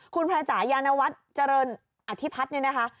คุณแพร่จ๋ายานวัฒน์เจริญอธิพัฒน์เนี่ยนะคะ